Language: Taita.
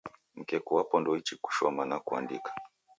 Mkeku wapo ndouichi kushoma na kuandika